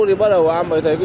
thì bắt đầu anh mới thấy